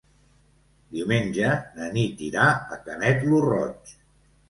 Diumenge na Nit irà a Canet lo Roig.